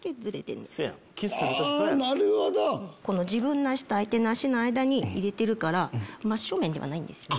自分の足と相手の足の間に入れてるから真正面ではないんですよ。